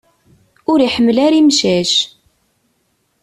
Ur iḥemmel ara imcac.